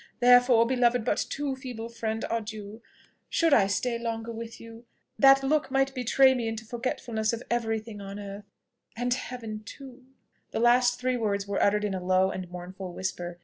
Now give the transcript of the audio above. Therefore, beloved but too feeble friend, adieu! Should I stay longer with you, that look might betray me into forgetfulness of every thing on earth and heaven too!" The three last words were uttered in a low and mournful whisper.